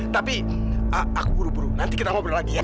tapi aku buru buru nanti kita ngobrol lagi ya